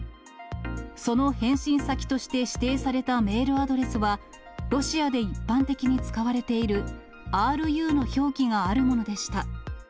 その返信先として指定されたメールアドレスは、ロシアで一般的に使われているｒｕの表記があるものでした。